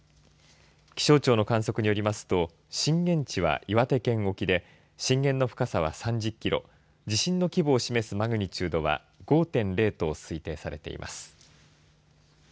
気象庁の観測によりますと震源地は岩手県沖で震源の深さは３０キロ地震の規模を示すマグニチュードは５．０と推定されています。